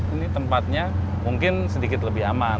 ini tempatnya mungkin sedikit lebih aman